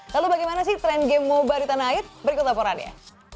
lalu bagaimana sih tren game moba di tanah air berikut laporannya